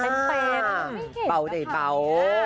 เป็นเป็นไม่เห็นนะคะเป้าได้เป้า